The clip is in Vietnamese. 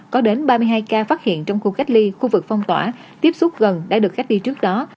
có đến ba mươi hai ca phát hiện trong khu cách ly khu vực phong tỏa tiếp xúc gần đã được cách ly trước đó